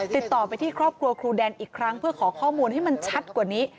ติดต่อไปที่ครอบครัวครูแดนอีกครั้งเพื่อขอข้อมูลให้มันชัดกว่านี้